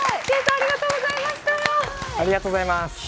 ありがとうございます。